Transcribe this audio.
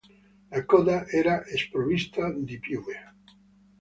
La coda era sprovvista di piume.